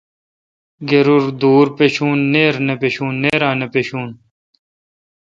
گرور دور پشوں، نییرا نہ پݭوں۔